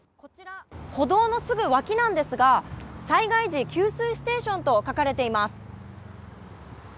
歩道のすぐ脇なんですが、災害時給水ステーションと書かれています。